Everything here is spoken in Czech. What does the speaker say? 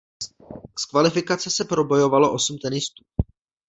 Z kvalifikace se probojovalo osm tenistů.